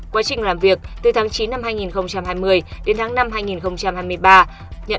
quá trình làm việc từ tháng chín năm hai nghìn hai mươi đến tháng năm hai nghìn hai mươi ba nhận